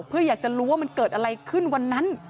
เพื่ออยากจะรู้ว่ามันเกิดอะไรขึ้นวันนั้น